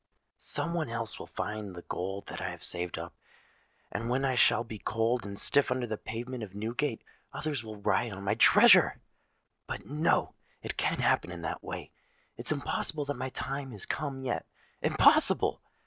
Some one else will find the gold that I have saved up; and when I shall be cold and stiff under the pavement of Newgate, others will riot on my treasure! But, no—it can't happen in that way: it's impossible that my time is come yet—impossible!